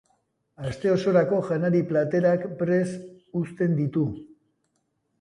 Aste osorako janari platerak prest uzten ditu.